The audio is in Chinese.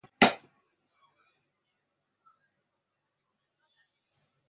主要销售价廉物美的休闲装。